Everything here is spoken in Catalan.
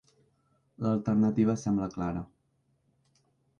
L'alternativa sembla clara.